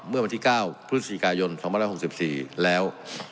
เมื่อวันที่๙พฤศจิกายน๒๐๖๔แล้ว